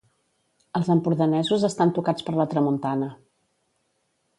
Els empordanesos estan tocats per la tramuntana.